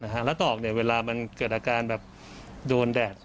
หลักตอบเนี้ยเวลามันเกิดอาการแบบโดนแดด